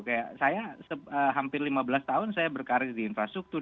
kayak saya hampir lima belas tahun saya berkarir di infrastruktur